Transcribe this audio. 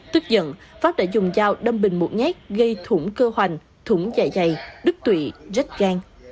tức giận pháp đã dùng dao đâm bình một nhát gây thủng cơ hoành thủng dài dày đứt tụy rách gan